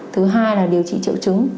thứ hai là điều trị triệu chứng